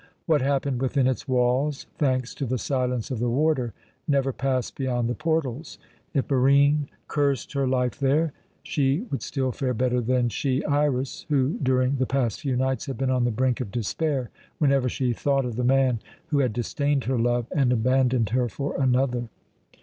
What happened within its walls thanks to the silence of the warder never passed beyond the portals. If Barine cursed her life there, she would still fare better than she, Iras, who during the past few nights had been on the brink of despair whenever she thought of the man who had disdained her love and abandoned her for another.